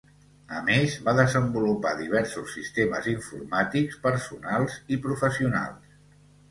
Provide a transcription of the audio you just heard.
A més, va desenvolupar diversos sistemes informàtics personals i professionals.